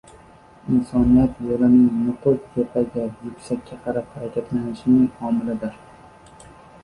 insoniyat yo‘lining nuqul tepaga – yuksakka qarab harakatlanishining omilidir.